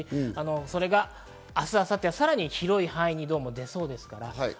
それが明日、明後日、さらに広い範囲に出そうですから。